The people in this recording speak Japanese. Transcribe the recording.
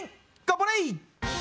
頑張れ！